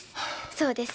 そうです